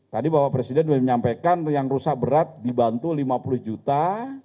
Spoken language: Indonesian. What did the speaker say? tadi bapak presiden sudah menyampaikan yang rusak berat dibantu lima puluh juta